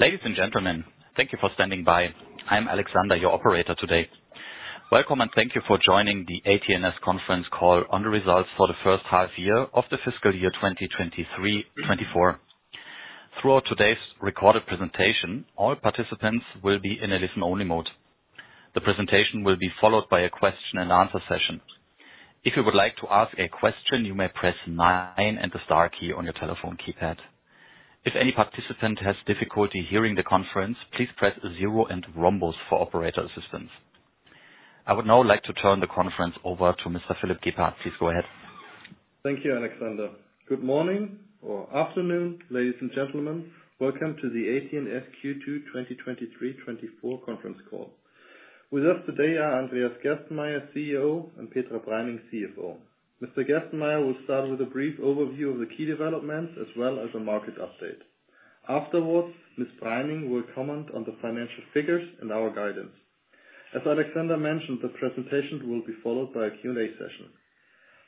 Ladies and gentlemen, thank you for standing by. I'm Alexander, your operator today. Welcome, and thank you for joining the AT&S conference call on the results for the H1 year of the fiscal year 2023/24. Throughout today's recorded presentation, all participants will be in a listen-only mode. The presentation will be followed by a question-and-answer session. If you would like to ask a question, you may press nine and the star key on your telephone keypad. If any participant has difficulty hearing the conference, please press star zero for operator assistance. I would now like to turn the conference over to Mr. Philipp Gebhardt. Please go ahead. Thank you, Alexander. Good morning or afternoon, ladies and gentlemen. Welcome to the AT&S Q2 2023/24 conference call. With us today are Andreas Gerstenmayer, CEO, and Petra Preining, CFO. Mr. Gerstenmayer will start with a brief overview of the key developments as well as a market update. Afterwards, Ms. Preining will comment on the financial figures and our guidance. As Alexander mentioned, the presentation will be followed by a Q&A session.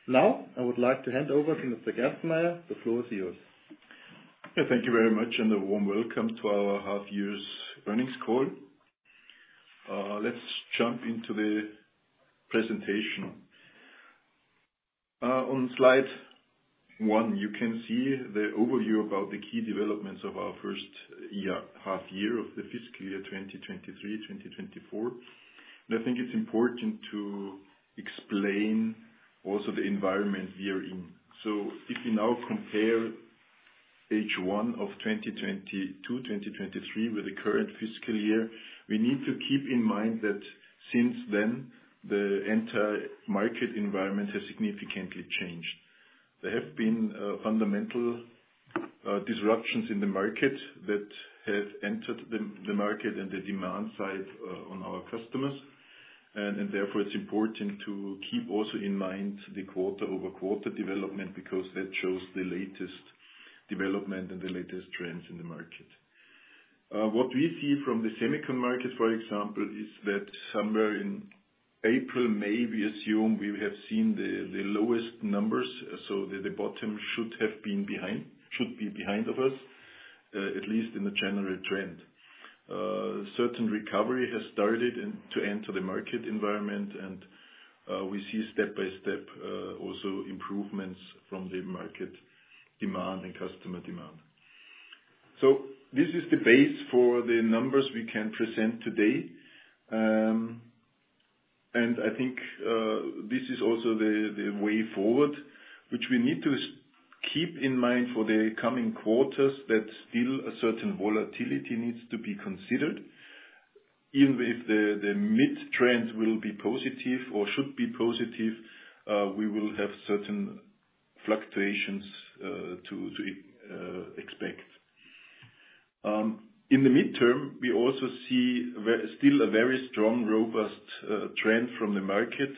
Now, I would like to hand over to Mr. Gerstenmayer. The floor is yours. Thank you very much, and a warm welcome to our half year's earnings call. Let's jump into the presentation. On slide one, you can see the overview about the key developments of our H1 year of the fiscal year 2023/2024. And I think it's important to explain also the environment we are in. So if you now compare H1 of 2022/2023 with the current fiscal year, we need to keep in mind that since then, the entire market environment has significantly changed. There have been fundamental disruptions in the market that have entered the market and the demand side on our customers, and therefore, it's important to keep also in mind the quarter-over-quarter development, because that shows the latest development and the latest trends in the market. What we see from the semiconductor market, for example, is that somewhere in April, May, we assume we have seen the lowest numbers, so the bottom should have been behind, should be behind of us, at least in the general trend. Certain recovery has started and to enter the market environment, and we see step by step also improvements from the market demand and customer demand. So this is the base for the numbers we can present today. And I think this is also the way forward, which we need to keep in mind for the coming quarters, that still a certain volatility needs to be considered. Even if the mid trend will be positive or should be positive, we will have certain fluctuations to expect. In the midterm, we also see still a very strong, robust, trend from the market,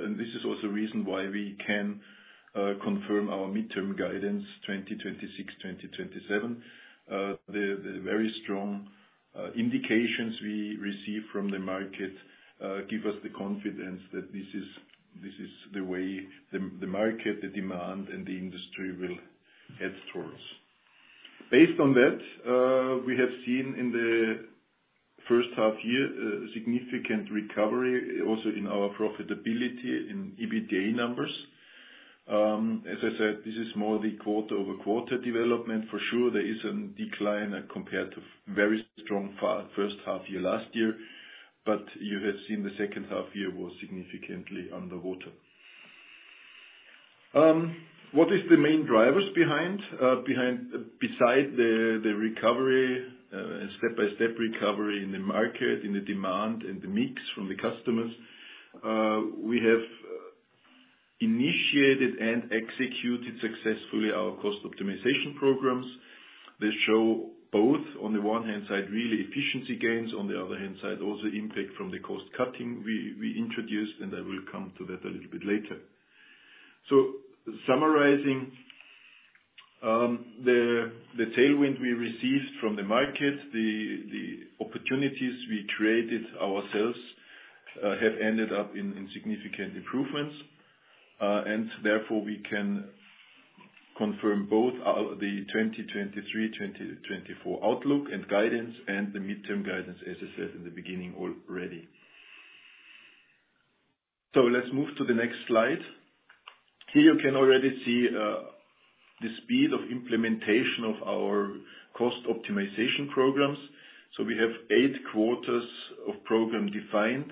and this is also a reason why we can, confirm our midterm guidance, 2026/2027. The very strong indications we receive from the market give us the confidence that this is, this is the way the, the market, the demand, and the industry will head towards. Based on that, we have seen in the H1 year, a significant recovery, also in our profitability in EBITDA numbers. As I said, this is more the quarter-over-quarter development. For sure, there is a decline compared to very strong H1 year last year, but you have seen the H2 year was significantly underwater. What is the main drivers behind, behind... beside the recovery, step-by-step recovery in the market, in the demand, and the mix from the customers, we have initiated and executed successfully our cost optimization programs. They show both, on the one-hand side, really efficiency gains, on the other hand side, also impact from the cost cutting we introduced, and I will come to that a little bit later. So summarizing, the tailwind we received from the market, the opportunities we created ourselves, have ended up in significant improvements. And therefore, we can confirm both our, the 2023/2024 outlook and guidance, and the midterm guidance, as I said in the beginning already. So let's move to the next slide. Here you can already see, the speed of implementation of our cost optimization programs. So we have eight quarters of program defined,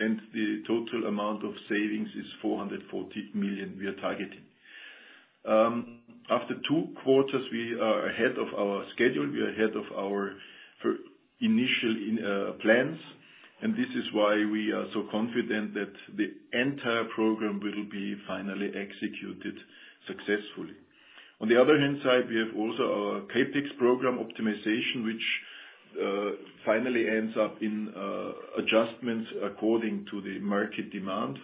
and the total amount of savings is 440 million we are targeting. After two quarters, we are ahead of our schedule, we are ahead of our initial plans, and this is why we are so confident that the entire program will be finally executed successfully. On the other hand side, we have also our CapEx program optimization, which finally ends up in adjustments according to the market demand.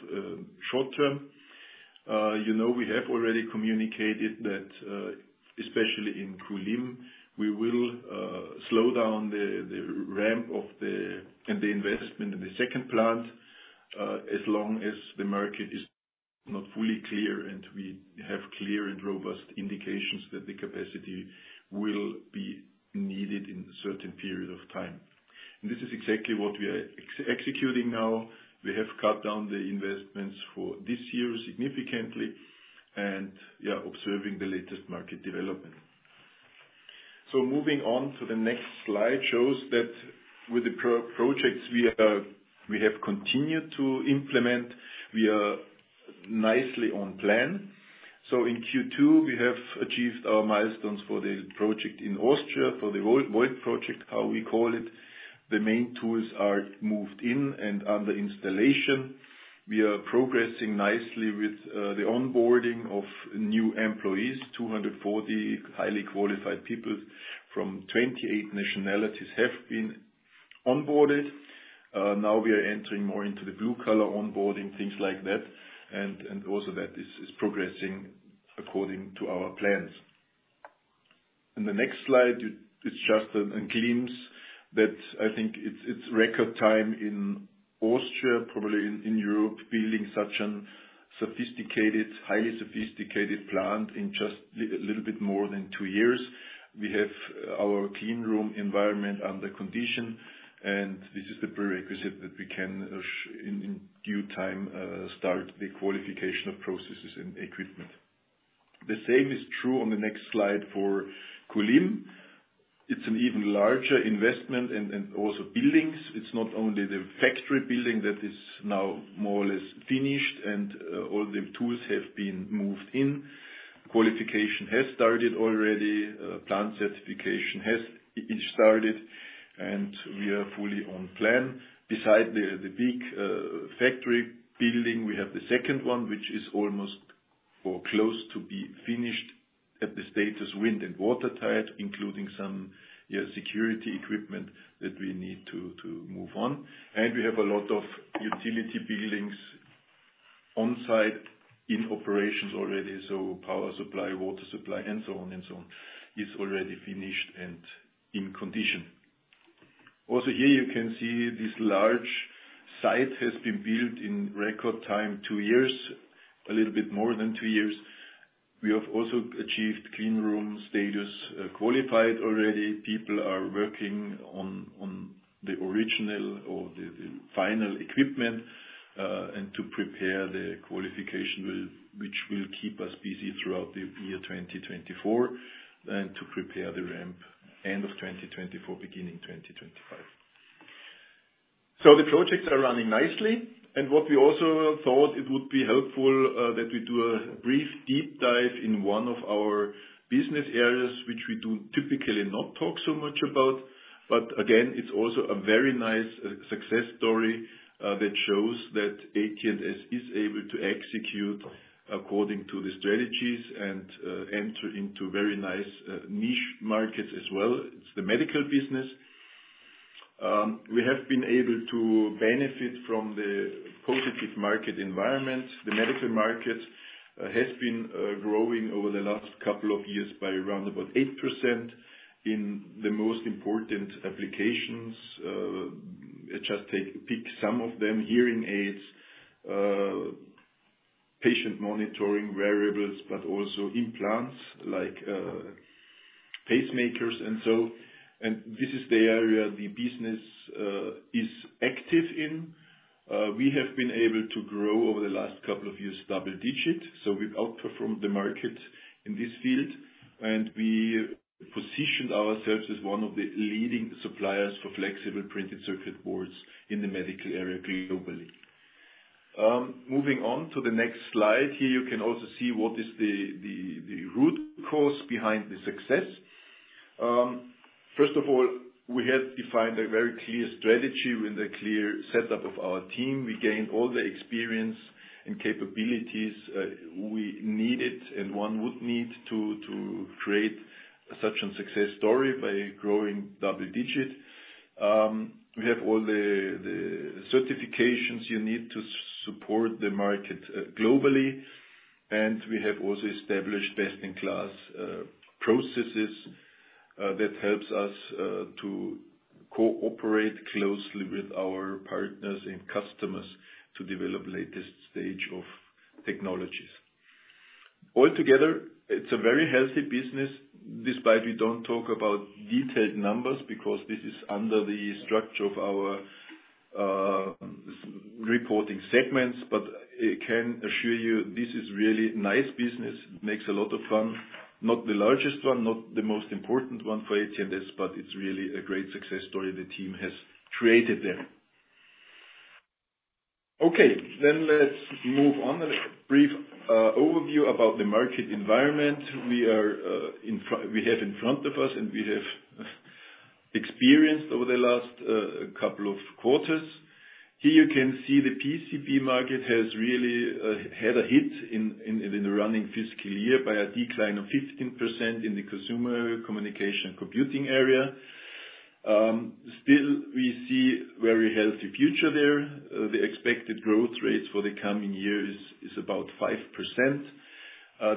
Short term, you know, we have already communicated that, especially in Kulim, we will slow down the ramp and the investment in the second Q, as long as the market is not fully clear, and we have clear and robust indications that the capacity will be needed in a certain period of time. This is exactly what we are executing now. We have cut down the investments for this year significantly, and yeah, observing the latest market development. So moving on to the next slide, shows that with the projects we have, we have continued to implement, we are nicely on plan. So in Q2, we have achieved our milestones for the project in Austria, for the New Working World project, how we call it. The main tools are moved in and under installation. We are progressing nicely with the onboarding of new employees. 240 highly qualified people from 28 nationalities have been onboarded. Now we are entering more into the blue-collar onboarding, things like that, and also that is progressing according to our plans. In the next slide, it's just a glimpse that I think it's record time in Austria, probably in Europe, building such a sophisticated, highly sophisticated plant in just a little bit more than two years. We have our clean room environment under condition, and this is the prerequisite that we can in due time start the qualification of processes and equipment. The same is true on the next slide for Kulim. It's an even larger investment and also buildings. It's not only the factory building that is now more or less finished, and all the tools have been moved in. Qualification has started already, plant certification has started, and we are fully on plan. Beside the big factory building, we have the second one, which is almost or close to be finished at the status, wind and water tight, including some security equipment that we need to move on. We have a lot of utility buildings on-site in operations already, so power supply, water supply, and so on and so on, is already finished and in condition. Also, here you can see this large site has been built in record time, two years, a little bit more than two years. We have also achieved clean room status, qualified already. People are working on the original or the final equipment, and to prepare the qualification, which will keep us busy throughout the year 2024, and to prepare the ramp, end of 2024, beginning 2025. So the projects are running nicely, and what we also thought it would be helpful, that we do a brief deep dive in one of our business areas, which we do typically not talk so much about. But again, it's also a very nice success story, that shows that AT&S is able to execute according to the strategies and, enter into very nice, niche markets as well. It's the medical business. We have been able to benefit from the positive market environment. The medical market has been growing over the last couple of years by around about 8% in the most important applications. Just take, pick some of them, hearing aids, patient monitoring wearables, but also implants like, pacemakers and so and this is the area the business is active in. We have been able to grow over the last couple of years, double digit, so we've outperformed the market in this field, and we positioned ourselves as one of the leading suppliers for flexible printed circuit boards in the medical area globally. Moving on to the next slide. Here, you can also see what is the root cause behind the success. First of all, we have defined a very clear strategy with a clear setup of our team. We gained all the experience and capabilities we needed, and one would need to create such a success story by growing double digit. We have all the certifications you need to support the market globally, and we have also established best-in-class processes that helps us to cooperate closely with our partners and customers to develop latest stage of technologies. Altogether, it's a very healthy business, despite we don't talk about detailed numbers, because this is under the structure of our reporting segments. But I can assure you, this is really nice business. Makes a lot of fun. Not the largest one, not the most important one for AT&S, but it's really a great success story the team has created there. Okay, then let's move on. A brief overview about the market environment we have in front of us, and we have experienced over the last couple of quarters. Here you can see the PCB market has really had a hit in the running fiscal year by a decline of 15% in the consumer communication computing area. Still, we see very healthy future there. The expected growth rate for the coming years is about 5%.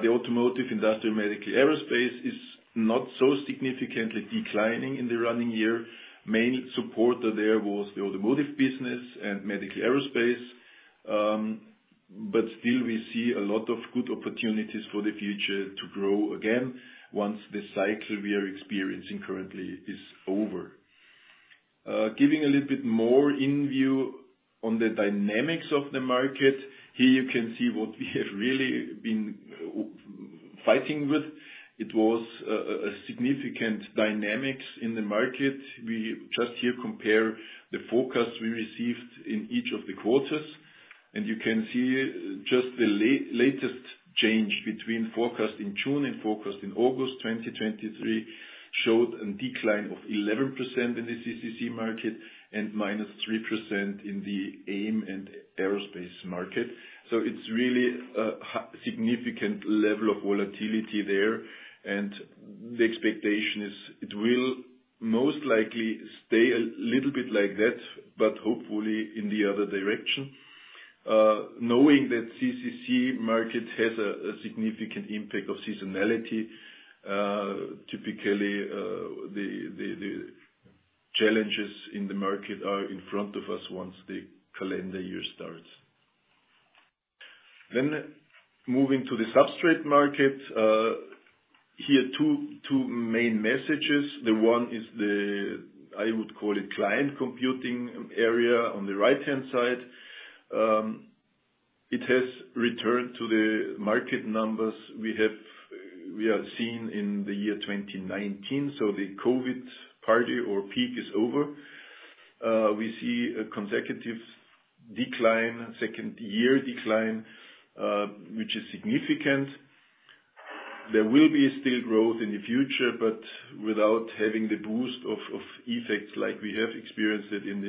The automotive, industrial, medical, aerospace is not so significantly declining in the running year. Main supporter there was the automotive business and medical aerospace. But still we see a lot of good opportunities for the future to grow again, once the cycle we are experiencing currently is over. Giving a little bit more in view on the dynamics of the market, here you can see what we have really been fighting with. So it's really a significant level of volatility there, and the expectation is it will most likely stay a little bit like that, but hopefully in the other direction. Knowing that CCC market has a significant impact of seasonality, typically, the challenges in the market are in front of us once the calendar year starts. Then moving to the substrate market, here two main messages. The one is the, I would call it, client computing area on the right-hand side. It has returned to the market numbers we have seen in the year 2019, so the COVID party or peak is over. We see a consecutive decline, second year decline, which is significant. There will be still growth in the future, but without having the boost of effects like we have experienced it in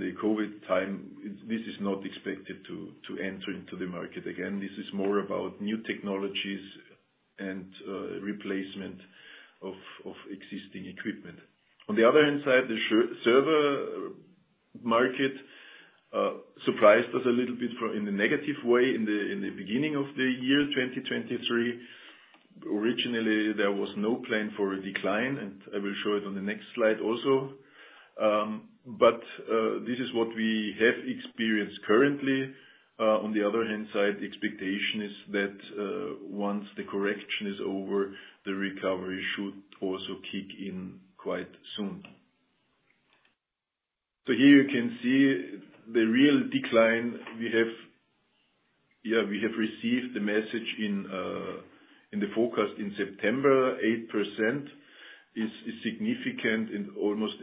the COVID time. This is not expected to enter into the market again. This is more about new technologies and replacement of existing equipment. On the other hand side, the server market surprised us a little bit in a negative way in the beginning of the year, 2023. Originally, there was no plan for a decline, and I will show it on the next slide also. But this is what we have experienced currently. On the other hand side, the expectation is that once the correction is over, the recovery should also kick in quite soon. So here you can see the real decline we have. Yeah, we have received the message in the forecast in September. 8% is significant in almost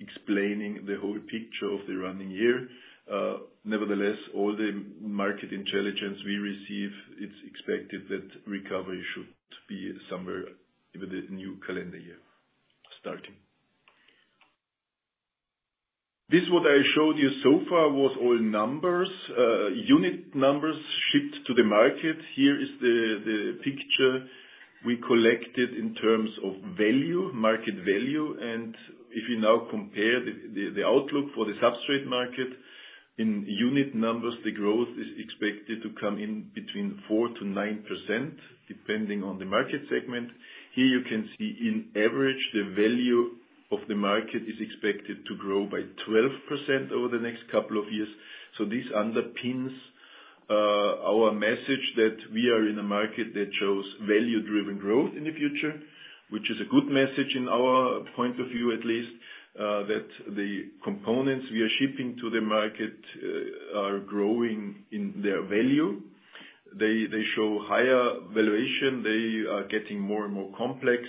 explaining the whole picture of the running year. Nevertheless, all the market intelligence we receive, it's expected that recovery should be somewhere with the new calendar year starting. This what I showed you so far was all numbers, unit numbers shipped to the market. Here is the picture we collected in terms of value, market value, and if you now compare the outlook for the substrate market in unit numbers, the growth is expected to come in between 4%-9%, depending on the market segment. Here you can see in average, the value of the market is expected to grow by 12% over the next couple of years. So this underpins our message that we are in a market that shows value-driven growth in the future, which is a good message in our point of view, at least. That the components we are shipping to the market are growing in their value. They show higher valuation, they are getting more and more complex,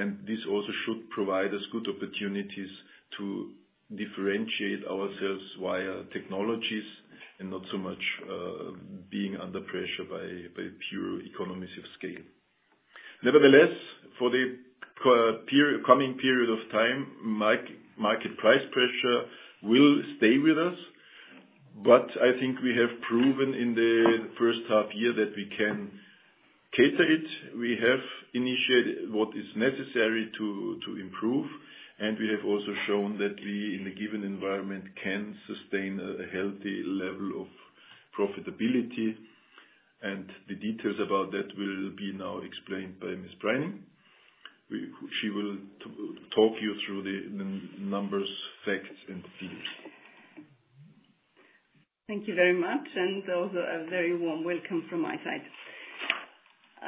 and this also should provide us good opportunities to differentiate ourselves via technologies and not so much being under pressure by pure economies of scale. Nevertheless, for the coming period of time, market price pressure will stay with us, but I think we have proven in the H1 year that we can cater it. We have initiated what is necessary to improve, and we have also shown that we, in a given environment, can sustain a healthy level of profitability, and the details about that will be now explained by Ms. Preining. She will talk you through the numbers, facts, and figures. Thank you very much, and also a very warm welcome from my side.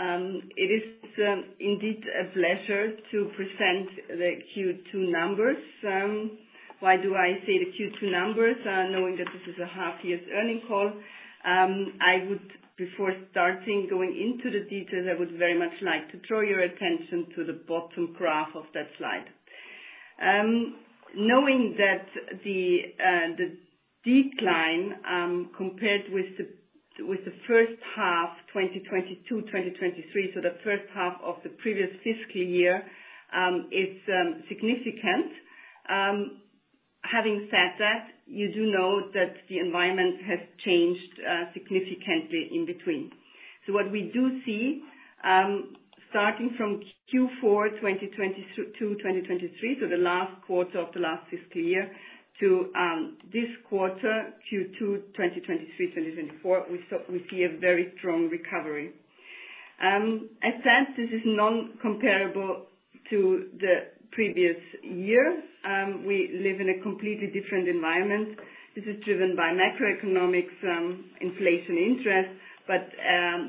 It is indeed a pleasure to present the Q2 numbers. Why do I say the Q2 numbers, knowing that this is a half-year's earnings call? I would, before starting going into the details, I would very much like to draw your attention to the bottom graph of that slide. Knowing that the decline compared with the H1, 2022/2023, so the H1 of the previous fiscal year, is significant. Having said that, you do know that the environment has changed significantly in between. So what we do see Starting from Q4 2022/2023, so the last quarter of the last fiscal year to this quarter, Q2 2023/2024, we saw - we see a very strong recovery. At times, this is non-comparable to the previous year. We live in a completely different environment. This is driven by macroeconomics, inflation interest, but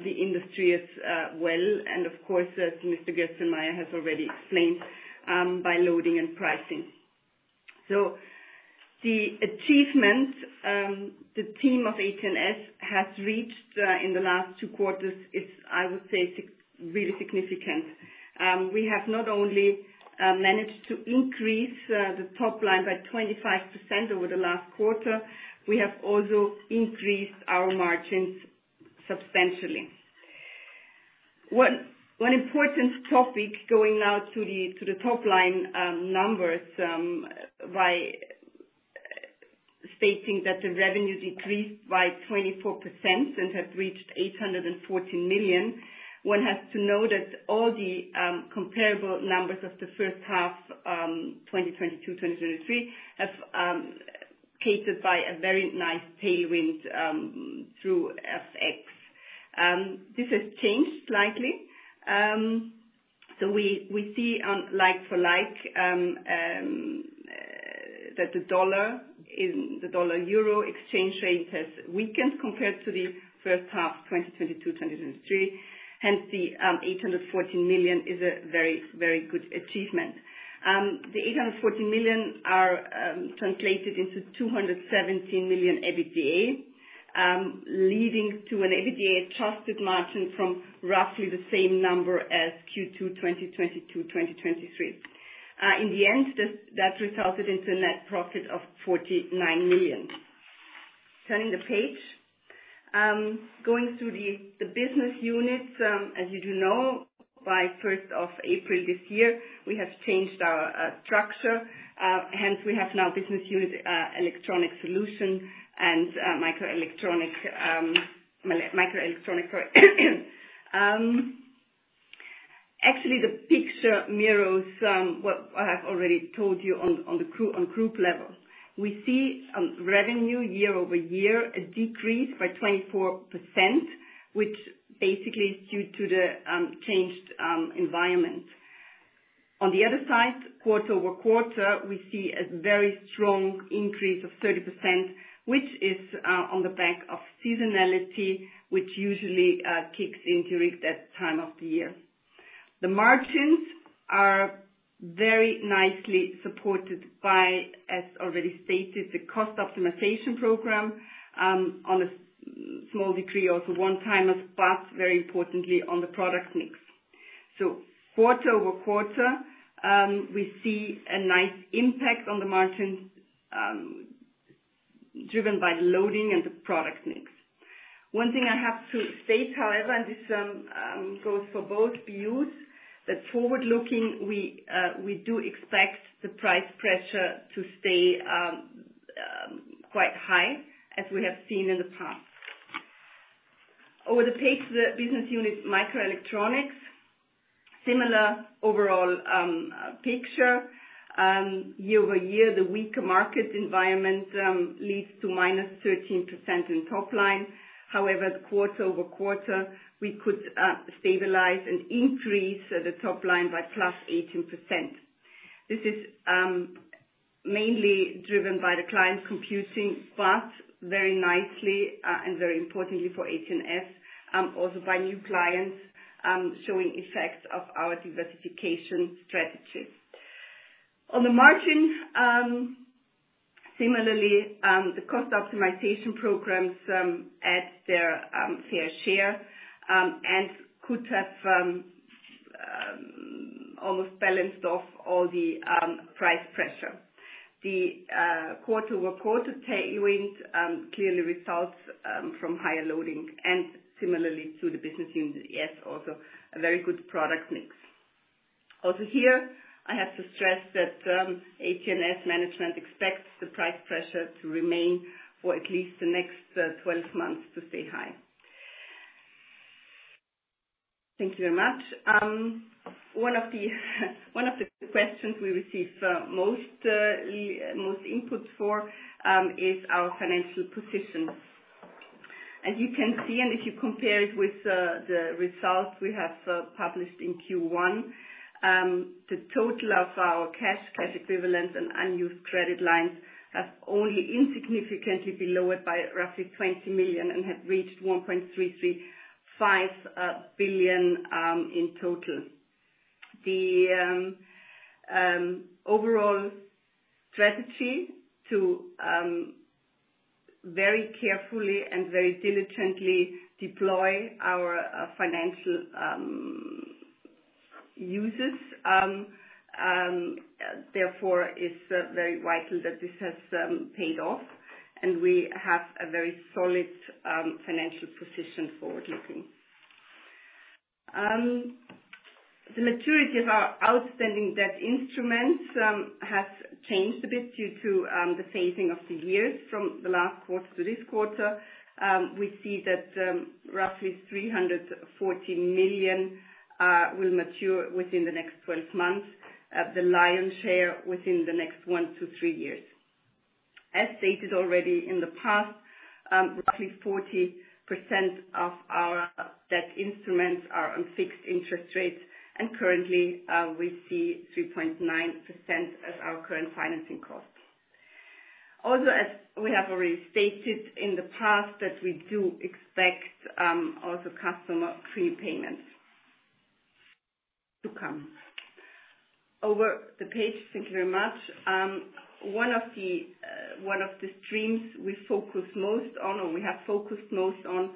the industry is well, and of course, as Mr. Gerstenmayer has already explained, by loading and pricing. So the achievement the team of AT&S has reached in the last two quarters is, I would say, really significant. We have not only managed to increase the top line by 25% over the last quarter, we have also increased our margins substantially. One important topic going now to the top line numbers by stating that the revenue decreased by 24% and have reached 814 million. One has to know that all the comparable numbers of the H1 2022/2023 have carried by a very nice tailwind through FX. This has changed slightly. So we see on like-for-like that the dollar in the dollar-euro exchange rate has weakened compared to the H1 2022/2023. Hence, the 814 million is a very, very good achievement. The 814 million are translated into 217 million EBITDA, leading to an EBITDA-adjusted margin from roughly the same number as Q2 2022/2023. In the end, this, that resulted into a net profit of 49 million. Turning the page, going through the business units, as you do know, by first of April this year, we have changed our structure. Hence, we have now business unit electronic solution and microelectronic. Actually, the picture mirrors what I have already told you on the group, on group level. We see revenue year-over-year, a decrease by 24%, which basically is due to the changed environment. On the other side, quarter-over-quarter, we see a very strong increase of 30%, which is on the back of seasonality, which usually kicks into it that time of the year. The margins are very nicely supported by, as already stated, the cost optimization program, on a small degree, also one-time, but very importantly, on the product mix. So quarter-over-quarter, we see a nice impact on the margins, driven by loading and the product mix. One thing I have to state, however, and this goes for both BUs, that forward-looking, we do expect the price pressure to stay quite high, as we have seen in the past. Over the page, the business unit Microelectronics, similar overall picture. Year-over-year, the weaker market environment leads to -13% in top line. However, quarter-over-quarter, we could stabilize and increase the top line by +18%. This is mainly driven by the client computing, but very nicely, and very importantly for AT&S, also by new clients, showing effects of our diversification strategies. On the margin, similarly, the cost optimization programs add their fair share, and could have almost balanced off all the price pressure. The quarter-over-quarter tailwind clearly results from higher loading, and similarly to the business unit, yes, also a very good product mix. Also here, I have to stress that AT&S management expects the price pressure to remain for at least the next 12 months to stay high. Thank you very much. One of the questions we receive most input for is our financial position. As you can see, and if you compare it with the results we have published in Q1, the total of our cash, cash equivalent, and unused credit lines have only insignificantly been lowered by roughly 20 million and have reached 1.335 billion in total. The overall strategy to very carefully and very diligently deploy our financial uses therefore is very vital that this has paid off, and we have a very solid financial position forward looking. The maturity of our outstanding debt instruments has changed a bit due to the phasing of the years from the last quarter to this quarter. We see that roughly 314 million will mature within the next 12 months, the lion's share within the next one to three years. As stated already in the past, roughly 40% of our debt instruments are on fixed interest rates, and currently we see 3.9% as our current financing cost. Also, as we have already stated in the past, that we do expect also customer prepayments to come. Over the page, thank you very much. One of the one of the streams we focus most on, or we have focused most on,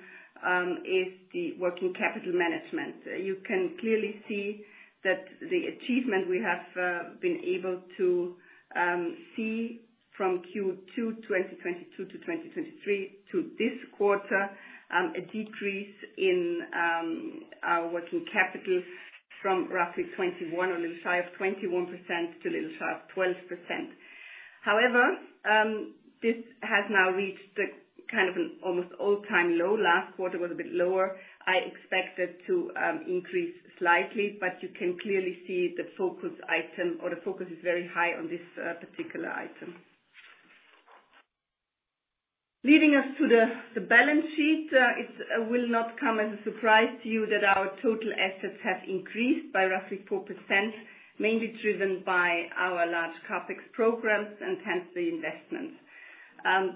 is the working capital management. You can clearly see that the achievement we have been able to see from Q2 2022 to 2023 to this quarter, a decrease in our working capital from roughly 21% or a little shy of 21% to a little shy of 12%. However, this has now reached the kind of an almost all-time low. Last quarter was a bit lower. I expect it to increase slightly, but you can clearly see the focus item, or the focus is very high on this particular item. Leading us to the balance sheet, it will not come as a surprise to you that our total assets have increased by roughly 4%, mainly driven by our large CapEx programs and hence the investments.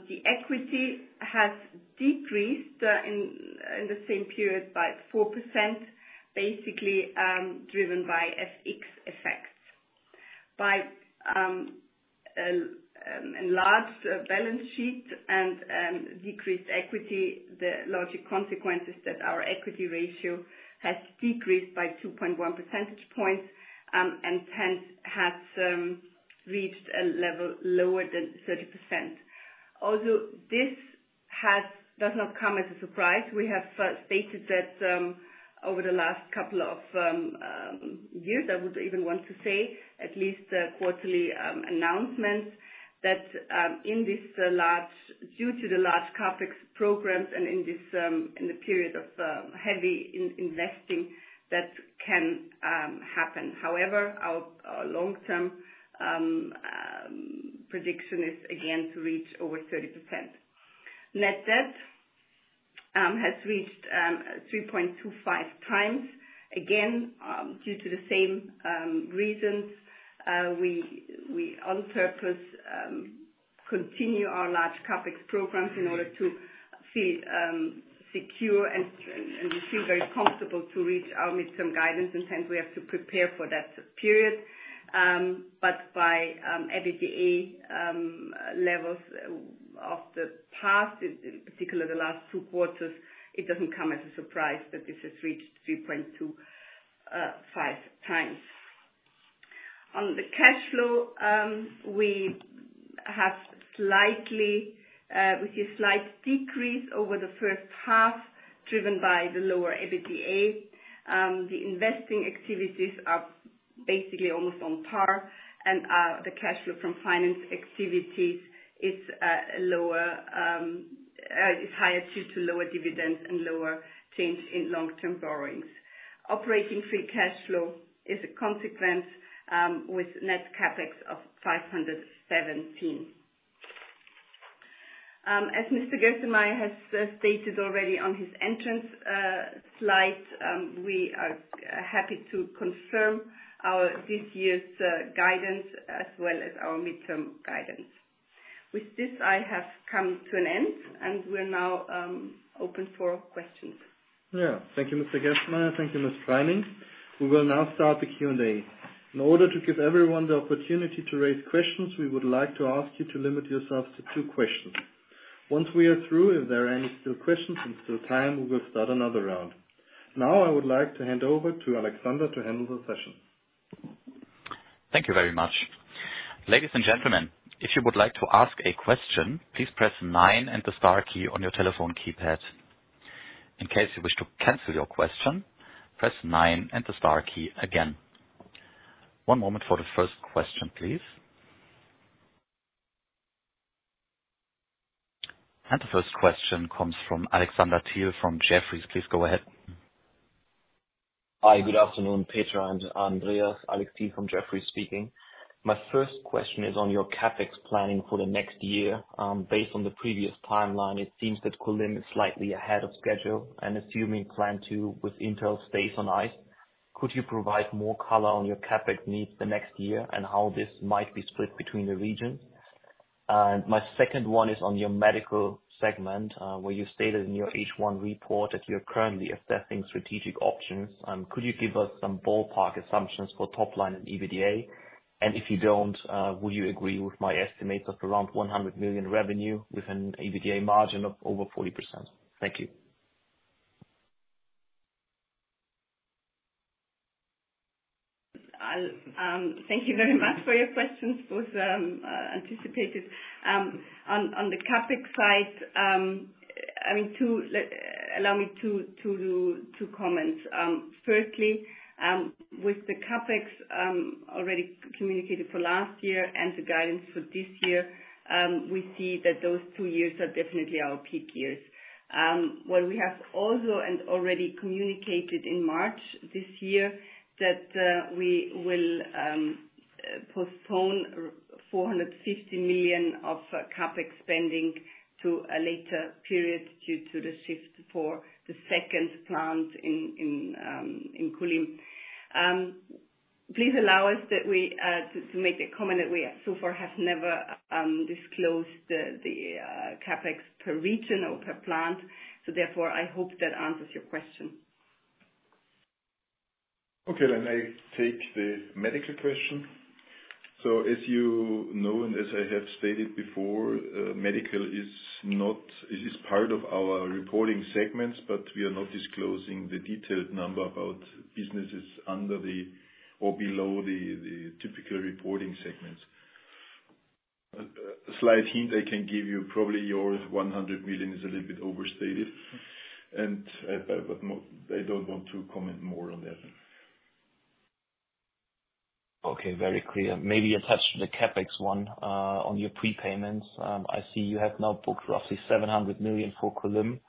The equity has decreased in the same period by 4%, basically, driven by FX effects. By enlarged balance sheet and decreased equity, the logical consequence is that our equity ratio has decreased by 2.1 percentage points, and hence has reached a level lower than 30%. Although this does not come as a surprise, we have stated that over the last couple of years, I would even want to say, at least a quarterly announcement, that due to the large CapEx programs and in this in the period of heavy investing, that can happen. However, our long-term prediction is again to reach over 30%. Net debt has reached 3.25x. Again, due to the same reasons, we on purpose continue our large CapEx programs in order to feel secure and feel very comfortable to reach our midterm guidance, and hence we have to prepare for that period. But by EBITDA levels of the past, in particular, the last two quarters, it doesn't come as a surprise that this has reached 3.25x. On the cash flow, we see a slight decrease over the H1, driven by the lower EBITDA. The investing activities are basically almost on par, and the cash flow from financing activities is higher due to lower dividends and lower change in long-term borrowings. Operating free cash flow is a consequence with net CapEx of 517 million. As Mr. Gerstenmayer has stated already on his entrance slide, we are happy to confirm our this year's guidance as well as our midterm guidance. With this, I have come to an end, and we're now open for questions. Yeah. Thank you, Mr. Gerstenmayer. Thank you, Ms. Preining. We will now start the Q&A. In order to give everyone the opportunity to raise questions, we would like to ask you to limit yourselves to two questions. Once we are through, if there are any still questions and still time, we will start another round. Now, I would like to hand over to Alexander to handle the session. Thank you very much. Ladies and gentlemen, if you would like to ask a question, please press nine and the star key on your telephone keypad. In case you wish to cancel your question, press nine and the star key again. One moment for the first question, please. The first question comes from Alexander Thiel from Jefferies. Please go ahead. Hi, good afternoon, Petra and Andreas. Alexander Thiel from Jefferies speaking. My first question is on your CapEx planning for the next year. Based on the previous timeline, it seems that Kulim is slightly ahead of schedule, and assuming Plant 2 with Intel stays on ice, could you provide more color on your CapEx needs the next year and how this might be split between the regions? And my second one is on your medical segment, where you stated in your H1 report that you're currently assessing strategic options. Could you give us some ballpark assumptions for top line and EBITDA? And if you don't, would you agree with my estimates of around 100 million revenue with an EBITDA margin of over 40%? Thank you. Thank you very much for your questions, both anticipated. On the CapEx side, I mean, allow me to do two comments. Firstly, with the CapEx already communicated for last year and the guidance for this year, we see that those two years are definitely our peak years. What we have also and already communicated in March this year, that we will postpone 450 million of CapEx spending to a later period due to the shift for the second plant in Kulim. Please allow us to make the comment that we so far have never disclosed the CapEx per region or per plant. So therefore, I hope that answers your question. Okay, then I take the medical question. So as you know, and as I have stated before, medical is not, it is part of our reporting segments, but we are not disclosing the detailed number about businesses under the or below the, the typical reporting segments. A slight hint I can give you, probably your 100 million is a little bit overstated, and, but I don't want to comment more on that. Okay, very clear. Maybe attached to the CapEx one, on your prepayments, I see you have now booked roughly 700 million for Kulim.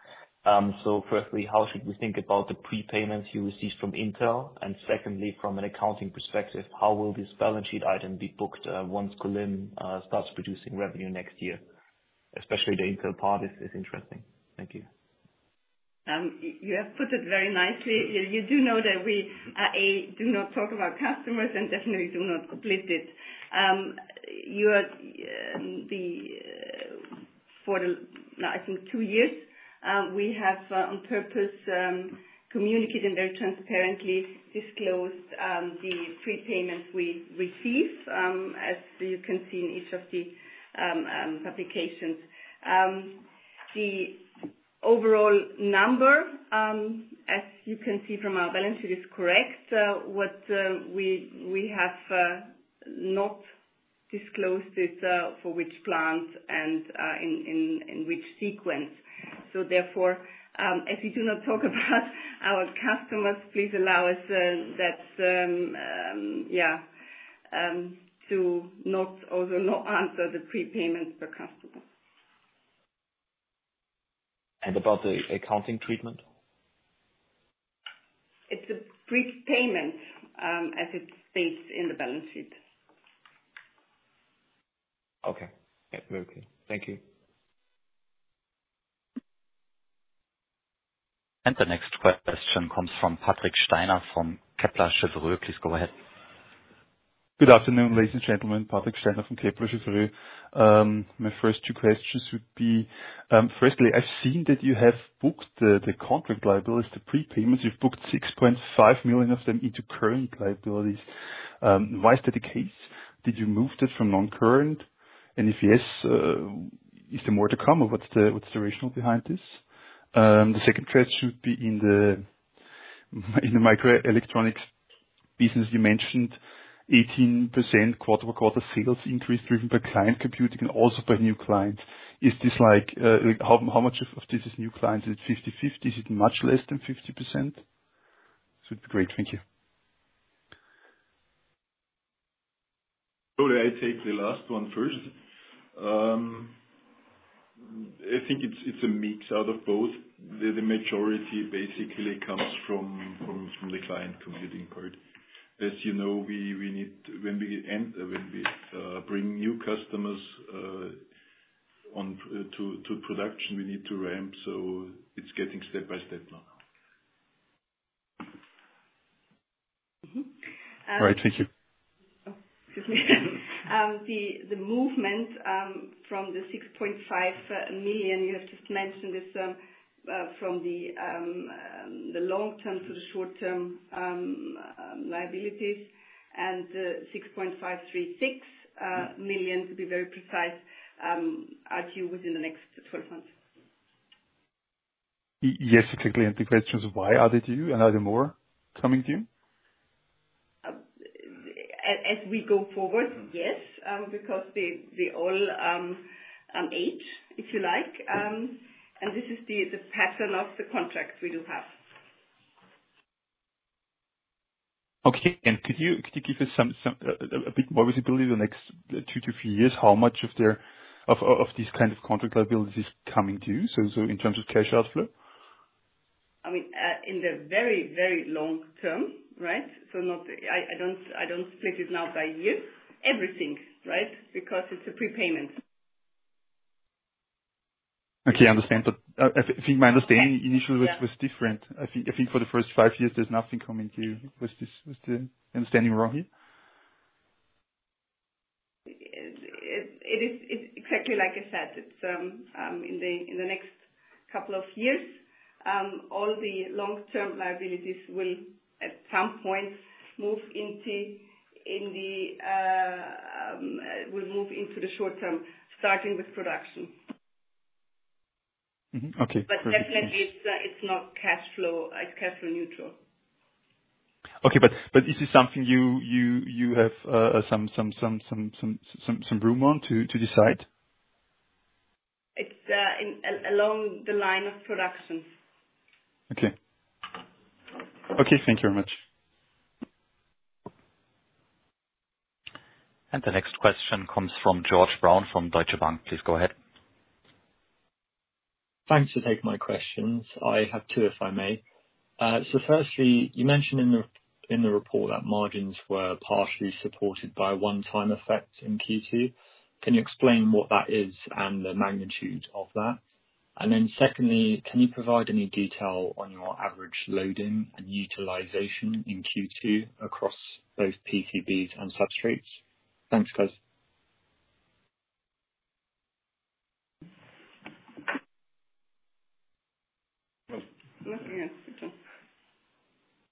So firstly, how should we think about the prepayments you received from Intel? And secondly, from an accounting perspective, how will this balance sheet item be booked, once Kulim starts producing revenue next year? Especially the Intel part is interesting. Thank you. You have put it very nicely. You do know that we do not talk about customers and definitely do not complete it. For the, I think two years, we have on purpose communicated and very transparently disclosed the prepayments we receive, as you can see in each of the publications. The overall number, as you can see from our balance sheet, is correct. What we have not disclosed it for which plant and in which sequence. So therefore, as we do not talk about our customers, please allow us that to not also not answer the prepayments per customer. About the accounting treatment? It's a prepayment, as it's stated in the balance sheet. Okay. Yeah, very clear. Thank you. The next question comes from Patrick Steiner, from Kepler Cheuvreux. Please go ahead. Good afternoon, ladies and gentlemen, Patrick Steiner from Kepler Cheuvreux. My first two questions would be, firstly, I've seen that you have booked the contract liabilities, the prepayments. You've booked 6.5 million of them into current liabilities. Why is that the case? Did you move that from non-current? And if yes, is there more to come, or what's the rationale behind this? The second thread should be in the microelectronics business. You mentioned 18% quarter-over-quarter sales increase driven by client computing and also by new clients. Is this like, how much of this is new clients? Is it 50/50? Is it much less than 50%? This would be great. Thank you. I take the last one first. I think it's a mix out of both. The majority basically comes from the client computing part. As you know, we need, when we bring new customers on to production, we need to ramp, so it's getting step by step now. Mm-hmm. All right, thank you. Oh, excuse me. The movement from the 6.5 million you have just mentioned is from the long term to the short term liabilities, and 6.536 million, to be very precise, are due within the next 12 months. Yes, exactly. And the question is, why are they due, and are there more coming due? As we go forward, yes, because they, they all age, if you like, and this is the pattern of the contracts we do have. Okay. And could you give us a bit more visibility the next two to three years, how much of these kind of contract liabilities is coming due, so in terms of cash outflow? I mean, in the very, very long term, right? So not... I don't split it now by year. Everything, right? Because it's a prepayment. Okay, I understand, but I think my understanding initially- Yeah. was different. I think for the first five years, there's nothing coming due. Was this the understanding wrong here? It is, it's exactly like I said. It's in the next couple of years, all the long-term liabilities will, at some point, move into the short term, starting with production. Mm-hmm. Okay. But definitely it's, it's not cash flow. It's cash flow neutral. Okay, but is this something you have some room on to decide? It's in along the line of production. Okay. Okay, thank you very much. The next question comes from George Brown from Deutsche Bank. Please go ahead. Thanks for taking my questions. I have two, if I may. So firstly, you mentioned in the report that margins were partially supported by a one-time effect in Q2. Can you explain what that is and the magnitude of that? And then secondly, can you provide any detail on your average loading and utilization in Q2 across both PCBs and substrates? Thanks, guys. Nothing else.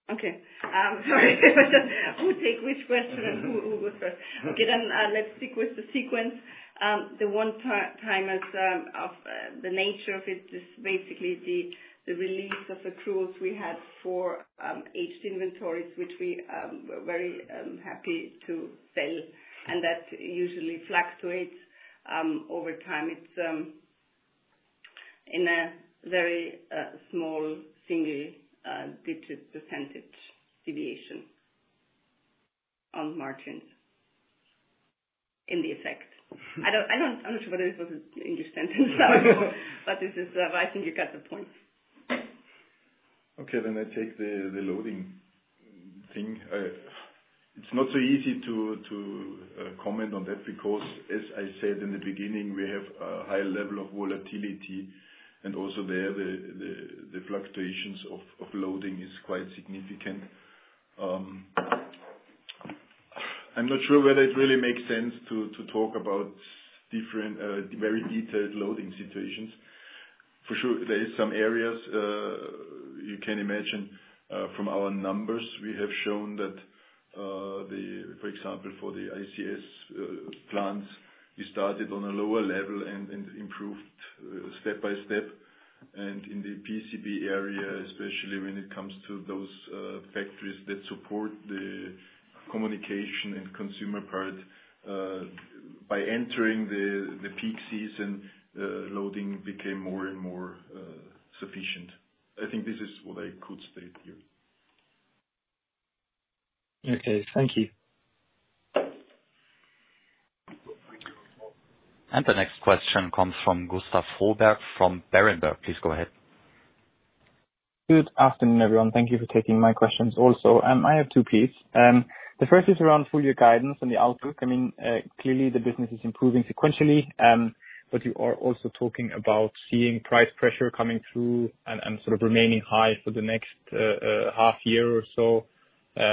Okay. Sorry, who take which question and who, who goes first? Okay, then, let's stick with the sequence. The one-time item is of the nature of it is basically the release of accruals we had for aged inventories, which we were very happy to sell, and that usually fluctuates over time. It's in a very small single-digit percentage deviation on margins in effect. I don't, I don't. I'm not sure whether this was an English sentence, but this is, I think you got the point. Okay, then I take the loading thing. It's not so easy to comment on that, because as I said in the beginning, we have a high level of volatility, and also there, the fluctuations of loading is quite significant. I'm not sure whether it really makes sense to talk about different very detailed loading situations. For sure, there is some areas you can imagine from our numbers, we have shown that, for example, for the IC substrates plants, we started on a lower level and improved step by step. And in the PCB area, especially when it comes to those factories that support the communication and consumer part, by entering the peak season, loading became more and more sufficient. I think this is what I could state here. Okay. Thank you. The next question comes from Gustav Froberg from Berenberg. Please go ahead. Good afternoon, everyone. Thank you for taking my questions also. I have two pieces. The first is around full year guidance and the outlook. I mean, clearly the business is improving sequentially, but you are also talking about seeing price pressure coming through and, and sort of remaining high for the next half year or so.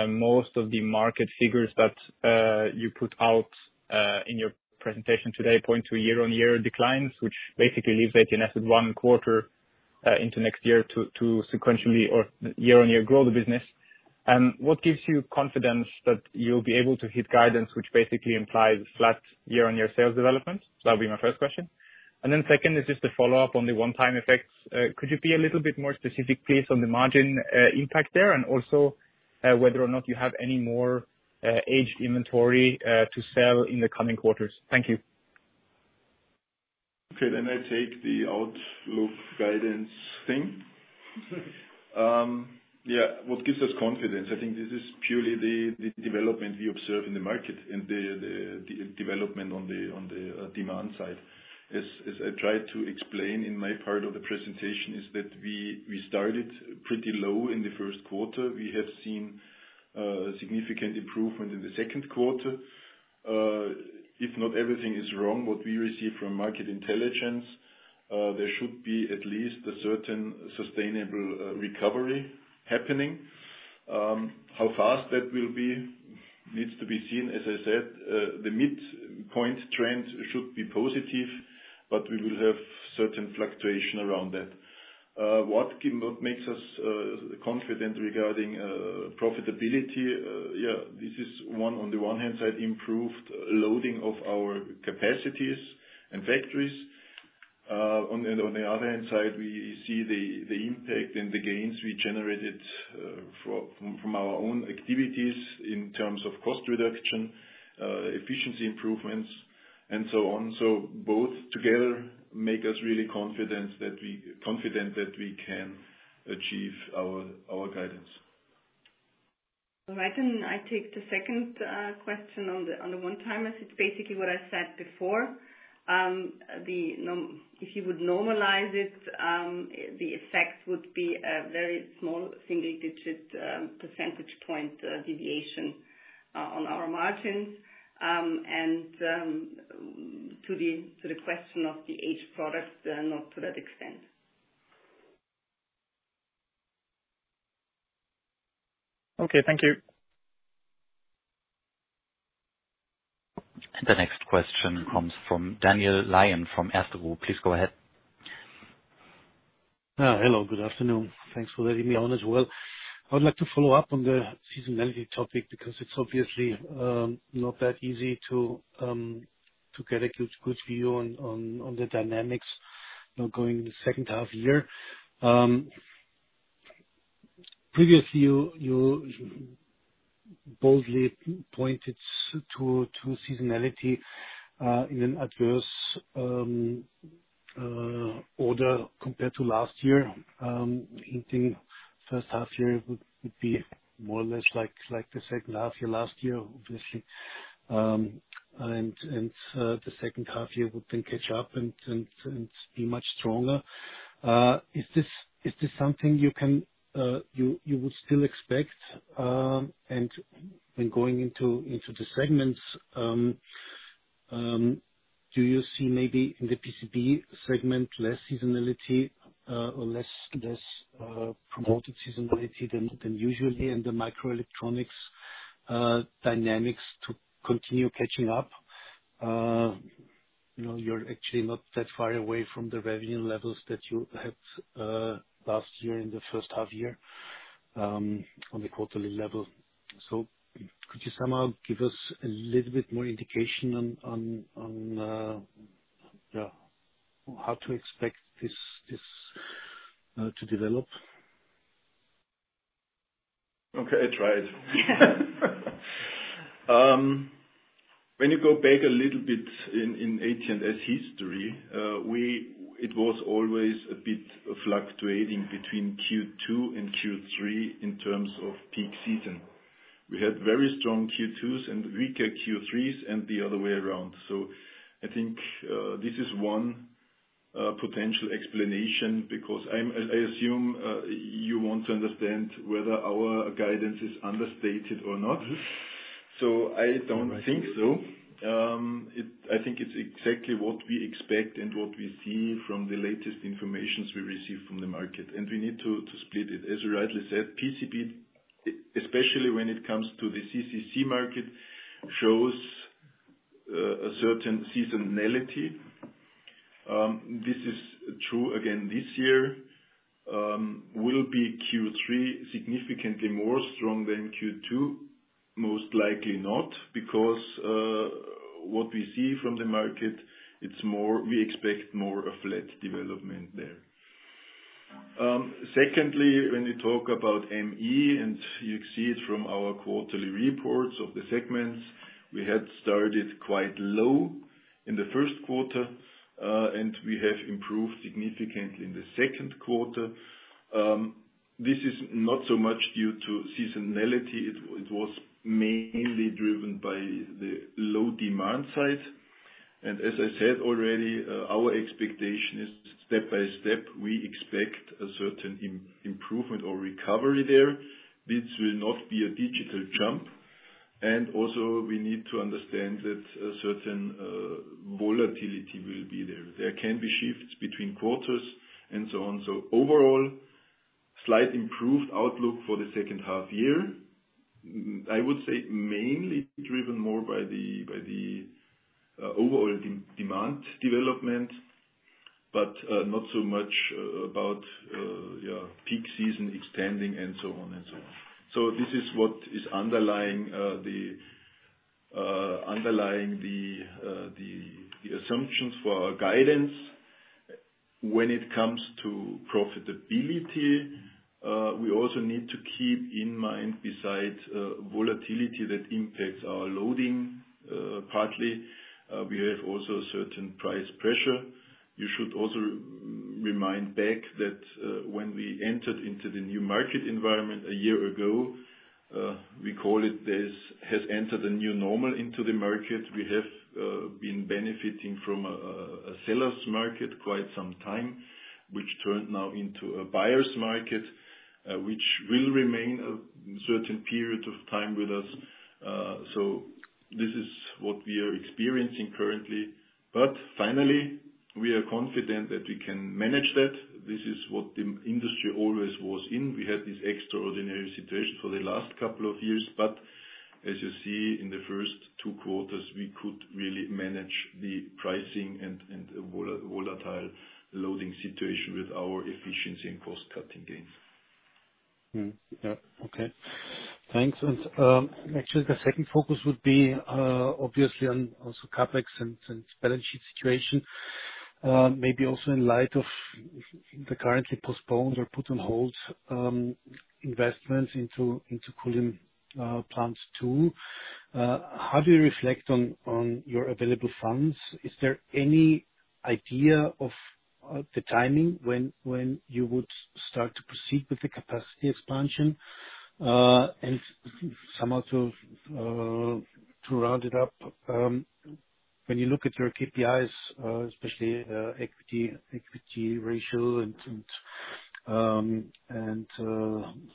Most of the market figures that you put out in your presentation today point to a year-on-year declines, which basically leaves AT&S one quarter into next year to sequentially or year-on-year grow the business. What gives you confidence that you'll be able to hit guidance, which basically implies flat year-on-year sales development? That'll be my first question. And then second, is just a follow-up on the one-time effects. Could you be a little bit more specific, please, on the margin impact there, and also whether or not you have any more aged inventory to sell in the coming quarters? Thank you. Okay, then I take the outlook guidance thing. Yeah, what gives us confidence? I think this is purely the development we observe in the market and the development on the demand side. As I tried to explain in my part of the presentation, is that we started pretty low in the Q1. We have seen significant improvement in the Q2. If not everything is wrong, what we receive from market intelligence, there should be at least a certain sustainable recovery happening. How fast that will be needs to be seen. As I said, the midpoint trend should be positive, but we will have certain fluctuation around that. What makes us confident regarding profitability? Yeah, this is one, on the one hand side, improved loading of our capacities and factories. On the other hand side, we see the impact and the gains we generated from our own activities in terms of cost reduction, efficiency improvements and so on. So both together make us really confident that we-- confident that we can achieve our guidance. All right, and I take the second question on the one time. It's basically what I said before. If you would normalize it, the effect would be a very small single digit percentage point deviation on our margins. And to the question of the aged product, not to that extent. Okay, thank you. The next question comes from Daniel Lion from Erste Group. Please go ahead. Hello, good afternoon. Thanks for letting me on as well. I would like to follow up on the seasonality topic, because it's obviously not that easy to, to get a good, good view on, on, on the dynamics, you know, going in the H2 year. Previously, you, you boldly pointed to, to seasonality in an adverse order compared to last year, thinking H1 year would, would be more or less like, like the H2 year last year, obviously. And, and the H2 year would then catch up and, and, and be much stronger. Is this, is this something you can, you, you would still expect? And in going into the segments, do you see maybe in the PCB segment, less seasonality, or less promoted seasonality than usually, and the microelectronics dynamics to continue catching up? You know, you're actually not that far away from the revenue levels that you had last year in the H1 year, on the quarterly level. So could you somehow give us a little bit more indication on, yeah, how to expect this to develop? Okay, I try it. When you go back a little bit in AT&S history, it was always a bit fluctuating between Q2 and Q3 in terms of peak season. We had very strong Q2s and weaker Q3s and the other way around. So I think this is one potential explanation, because I assume you want to understand whether our guidance is understated or not. Mm-hmm. So I don't think so. I think it's exactly what we expect and what we see from the latest information we receive from the market, and we need to split it. As you rightly said, PCB, especially when it comes to the CCC market, shows a certain seasonality. This is true again this year. Will Q3 be significantly more strong than Q2? Most likely not, because what we see from the market, it's more we expect more a flat development there. Secondly, when you talk about AIM, and you see it from our quarterly reports of the segments, we had started quite low in the Q1 and we have improved significantly in the Q2. This is not so much due to seasonality. It was mainly driven by the low demand side. As I said already, our expectation is step by step, we expect a certain improvement or recovery there. This will not be a digital jump, and also we need to understand that a certain volatility will be there. There can be shifts between quarters and so on. So overall, slight improved outlook for the H2 year. I would say mainly driven more by the overall demand development, but not so much about peak season extending and so on and so on. So this is what is underlying the assumptions for our guidance. When it comes to profitability, we also need to keep in mind, besides volatility that impacts our loading partly, we have also certain price pressure. You should also remind back that, when we entered into the new market environment a year ago, we call it this has entered a new normal into the market. We have been benefiting from a seller's market quite some time, which turned now into a buyer's market, which will remain a certain period of time with us. So this is what we are experiencing currently. But finally, we are confident that we can manage that. This is what the industry always was in. We had this extraordinary situation for the last couple of years, but as you see, in the first two quarters, we could really manage the pricing and volatile loading situation with our efficiency and cost-cutting gains. Hmm. Yeah. Okay. Thanks. And, actually, the second focus would be, obviously on also CapEx and balance sheet situation. Maybe also in light of the currently postponed or put on hold, investments into Kulim Plant Two. How do you reflect on your available funds? Is there any idea of the timing when you would start to proceed with the capacity expansion? And somehow to round it up, when you look at your KPIs, especially equity ratio and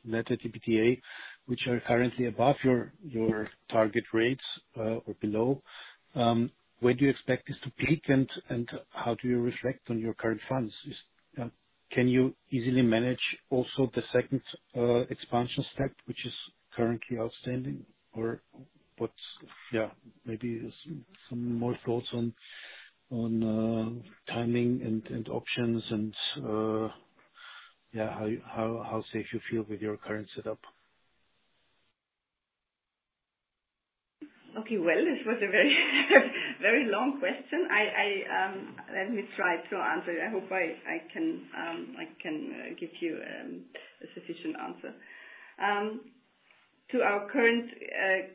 Net Debt/EBITDA, which are currently above your target rates, or below, when do you expect this to peak, and how do you reflect on your current funds? Can you easily manage also the second expansion step, which is currently outstanding, or what's-Yeah, maybe some more thoughts on timing and options, and yeah, how safe you feel with your current setup? Okay, well, this was a very, very long question. Let me try to answer it. I hope I can give you a sufficient answer. To our current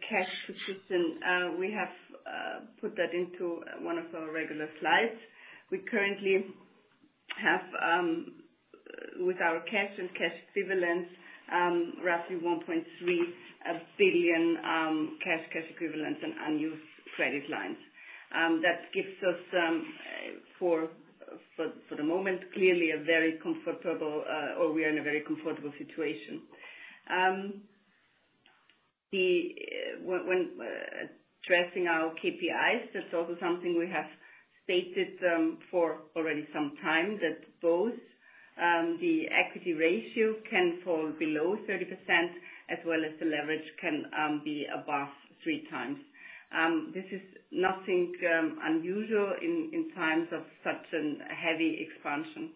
cash position, we have put that into one of our regular slides. We currently have, with our cash and cash equivalents, roughly 1.3 billion cash, cash equivalents, and unused credit lines. That gives us, for the moment, clearly a very comfortable, or we are in a very comfortable situation. When addressing our KPIs, that's also something we have stated, for already some time, that both the equity ratio can fall below 30%, as well as the leverage can be above 3x. This is nothing unusual in times of such a heavy expansion.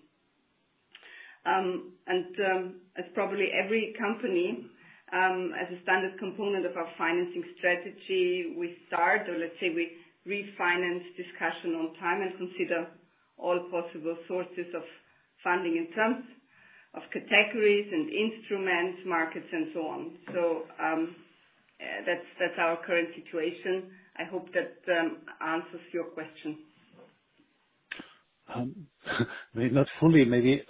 As probably every company, as a standard component of our financing strategy, we start, or let's say we refinance discussion on time and consider all possible sources of funding in terms of categories and instruments, markets, and so on. That's our current situation. I hope that answers your question. Maybe not fully. Maybe,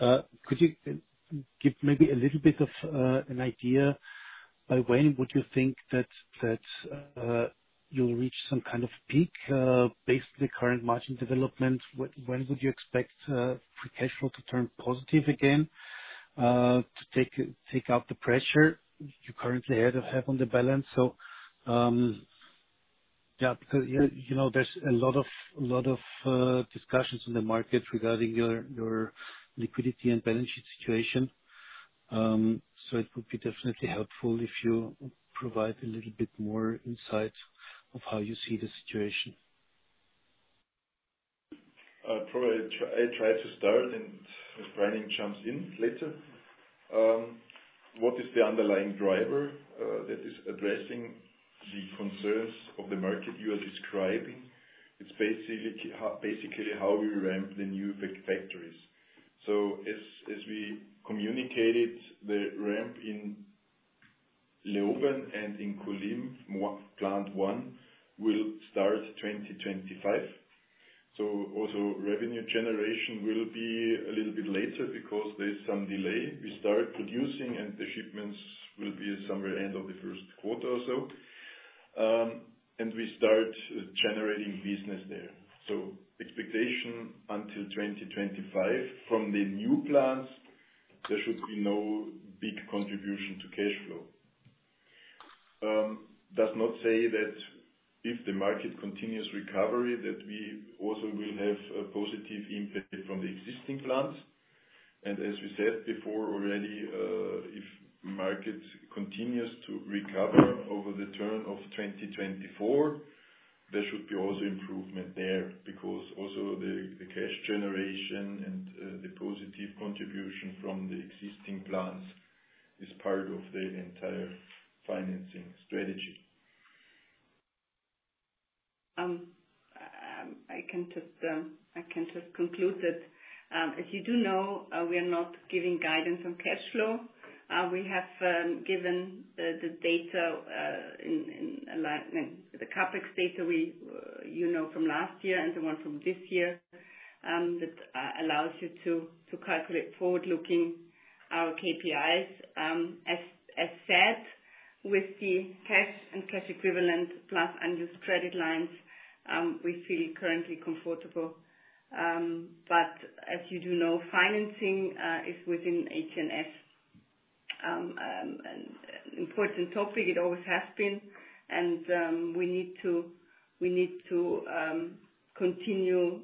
could you give maybe a little bit of, an idea by when would you think that, that, you'll reach some kind of peak, based on the current margin development? When, when would you expect, free cash flow to turn positive again, to take, take out the pressure you currently have on the balance? So, yeah, because, you, you know, there's a lot of, lot of, discussions in the market regarding your, your liquidity and balance sheet situation. So it would be definitely helpful if you provide a little bit more insight of how you see the situation. Probably I try to start, and Preining jumps in later. What is the underlying driver that is addressing the concerns of the market you are describing? It's basically how we ramp the new factories. So as we communicated, the ramp in Leoben and in Kulim, Plant One, will start 2025. So also revenue generation will be a little bit later because there's some delay. We start producing, and the shipments will be somewhere end of the Q1 or so. And we start generating business there. So expectation until 2025. From the new plants, there should be no big contribution to cash flow. Does not say that if the market continues recovery, that we also will have a positive impact from the existing plants. As we said before already, if the market continues to recover over the turn of 2024, there should be also improvement there, because also the cash generation and the positive contribution from the existing plants is part of the entire financing strategy. I can just conclude that, as you do know, we are not giving guidance on cash flow. We have given the data, in like, the CapEx data we, you know, from last year and the one from this year, that allows you to calculate forward-looking our KPIs. As said, with the cash and cash equivalent, plus unused credit lines, we feel currently comfortable. But as you do know, financing is within HNS, an important topic. It always has been, and we need to continue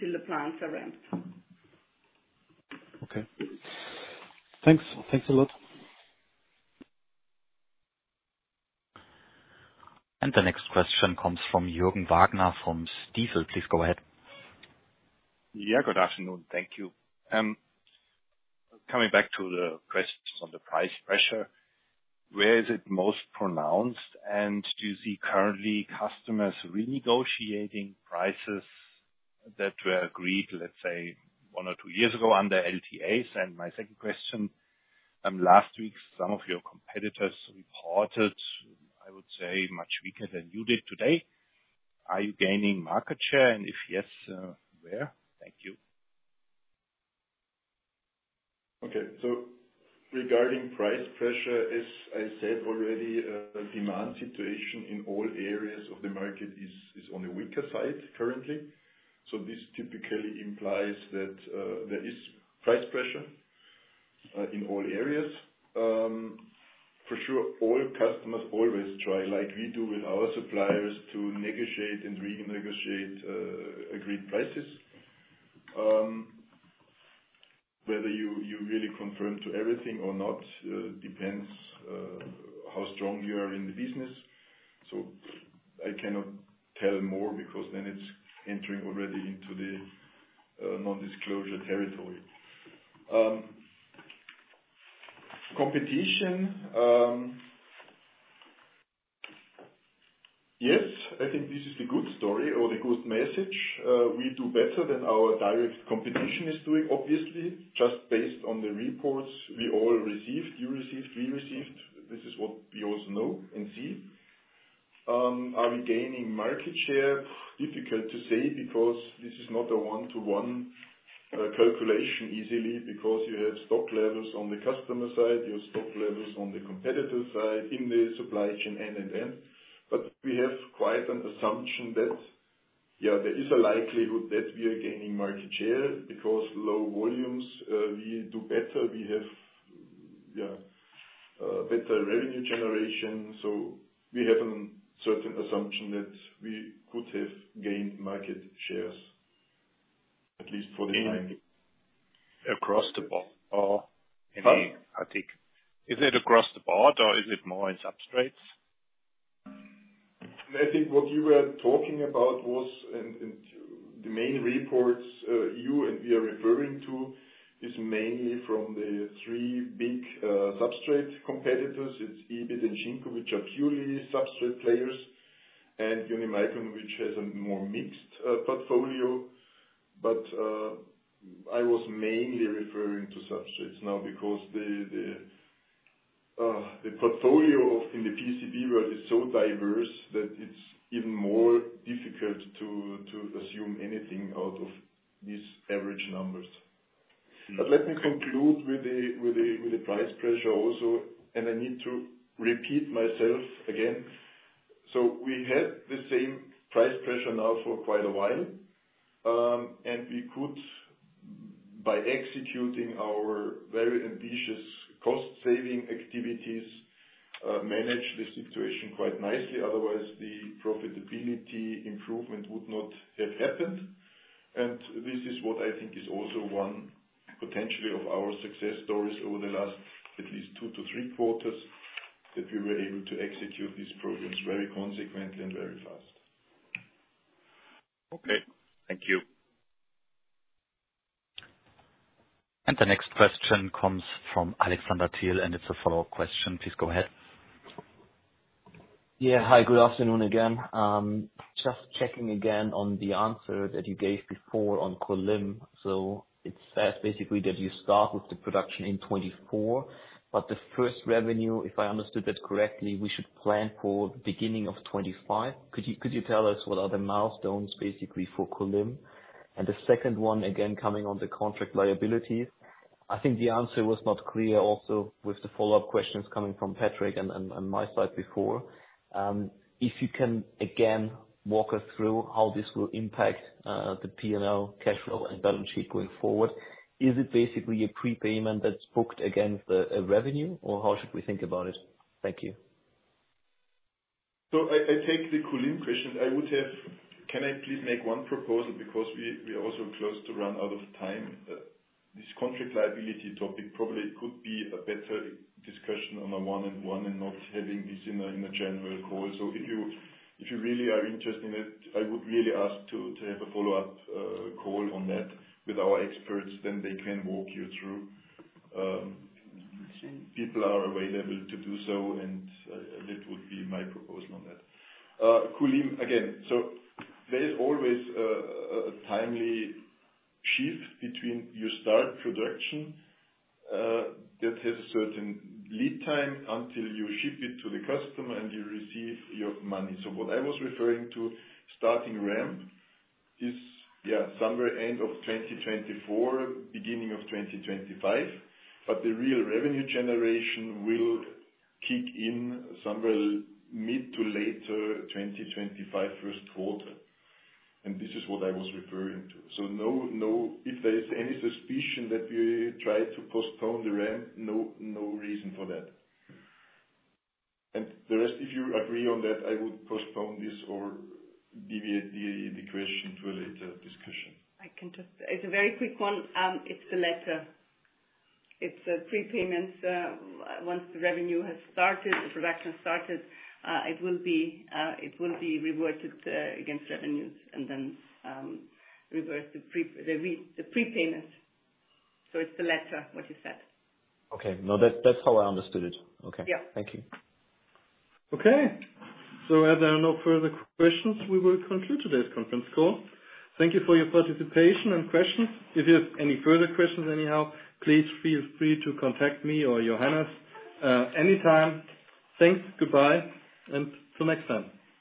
till the plants are ramped. Okay. Thanks. Thanks a lot. The next question comes from Jürgen Wagner from Stifel. Please go ahead. Yeah, good afternoon. Thank you. Coming back to the questions on the price pressure, where is it most pronounced? And do you see currently customers renegotiating prices that were agreed, let's say, one or two years ago under LTAs? My second question, last week, some of your competitors reported, I would say, much weaker than you did today. Are you gaining market share, and if yes, where? Thank you. Okay. So regarding price pressure, as I said already, the demand situation in all areas of the market is on the weaker side currently. So this typically implies that there is price pressure in all areas. For sure, all customers always try, like we do with our suppliers, to negotiate and renegotiate agreed prices. Whether you really confirm to everything or not depends how strong you are in the business. So I cannot tell more because then it's entering already into the non-disclosure territory. Competition, yes, I think this is the good story or the good message. We do better than our direct competition is doing, obviously, just based on the reports we all received. You received, we received. This is what we also know and see. Are we gaining market share? Difficult to say, because this is not a one-to-one calculation easily, because you have stock levels on the customer side, you have stock levels on the competitor side, in the supply chain, [and]. But we have quite an assumption that, yeah, there is a likelihood that we are gaining market share because low volumes, we do better. We have, yeah, better revenue generation, so we have a certain assumption that we could have gained market shares, at least for the- Across the board or- Pardon? I think. Is it across the board, or is it more in substrates? I think what you were talking about was, and the main reports you and we are referring to is mainly from the three big substrate competitors. It's Ibiden and Shinko, which are purely substrate players, and Unimicron, which has a more mixed portfolio. But I was mainly referring to substrates now, because the portfolio in the PCB world is so diverse that it's even more difficult to assume anything out of these average numbers. But let me conclude with the price pressure also, and I need to repeat myself again. So we had the same price pressure now for quite a while, and we could, by executing our very ambitious cost-saving activities, manage the situation quite nicely. Otherwise, the profitability improvement would not have happened. This is what I think is also one potentially of our success stories over the last at least two to three quarters, that we were able to execute these programs very consequently and very fast. Okay, thank you. The next question comes from Alexander Thiel, and it's a follow-up question. Please go ahead. Yeah. Hi, good afternoon again. Just checking again on the answer that you gave before on Kulim. So it says basically that you start with the production in 2024, but the first revenue, if I understood that correctly, we should plan for the beginning of 2025. Could you tell us what are the milestones basically for Kulim? And the second one, again, coming on the contract liability. I think the answer was not clear also with the follow-up questions coming from Patrick and my side before. If you can again, walk us through how this will impact the P&L cash flow and balance sheet going forward. Is it basically a prepayment that's booked against the revenue, or how should we think about it? Thank you. So I take the Kulim question. I would have. Can I please make one proposal? Because we are also close to run out of time. This contract liability topic probably could be a better discussion on a one-on-one and not having this in a general call. So if you really are interested in it, I would really ask to have a follow-up call on that with our experts, then they can walk you through. People are available to do so, and that would be my proposal on that. Kulim, again, so there is always a timely shift between you start production, that has a certain lead time until you ship it to the customer and you receive your money. So what I was referring to, starting ramp is, yeah, somewhere end of 2024, beginning of 2025, but the real revenue generation will kick in somewhere mid- to later 2025, Q1. And this is what I was referring to. So no, no... If there is any suspicion that we try to postpone the ramp, no, no reason for that. And the rest, if you agree on that, I would postpone this or deviate the question to a later discussion. It's a very quick one. It's the latter. It's the prepayments. Once the revenue has started, the production started, it will be, it will be reverted against revenues, and then reversed the prepayments. So it's the latter, what you said. Okay. No, that, that's how I understood it. Okay. Yeah. Thank you. Okay. So as there are no further questions, we will conclude today's conference call. Thank you for your participation and questions. If you have any further questions, anyhow, please feel free to contact me or Johannes, anytime. Thanks. Goodbye, and till next time.